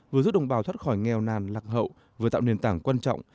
vừa tạo nền tảng quan trọng